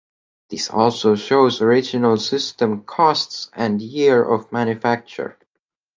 This also shows original system costs and year of manufacture.